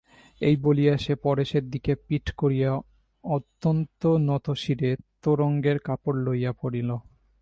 এই বলিয়া সে পরেশের দিকে পিঠ করিয়া অত্যন্ত নতশিরে তোরঙ্গের কাপড় লইয়া পড়িল।